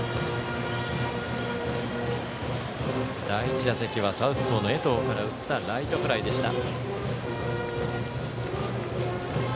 第１打席はサウスポーの江藤から打ったライトフライでした。